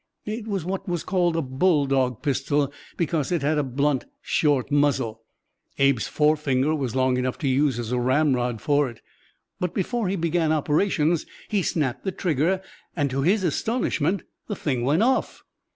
It was what was called a bulldog pistol, because it had a blunt, short muzzle. Abe's forefinger was long enough to use as a ramrod for it. But before he began operations he snapped the trigger and, to his astonishment, the thing went off!